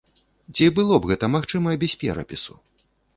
Ці было б гэта магчыма без перапісу?